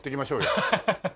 アハハハ！